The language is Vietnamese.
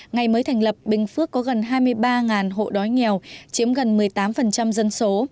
ngày mới thành lập bình phước có gần hai mươi ba hộ đói nghèo chiếm gần một mươi tám dân số